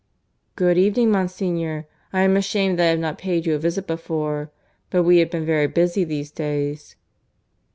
(II) "Good evening, Monsignor. I am ashamed that I have not paid you a visit before. But we have been very busy these days."